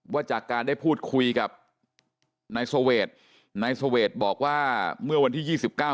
ว่าจากการได้พูดคุยกับนายสเวทนายสเวทบอกว่าเมื่อวันที่ยี่สิบเก้า